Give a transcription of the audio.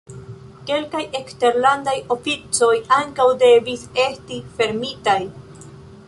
Kelkaj eksterlandaj oficoj ankaŭ devis esti fermitaj.